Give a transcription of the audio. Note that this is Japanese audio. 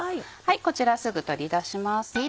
こちらすぐ取り出します。